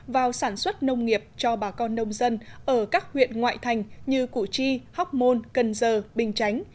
vào sản xuất nông nghiệp cho bà con nông dân ở các huyện ngoại thành như củ chi hóc môn cần giờ bình chánh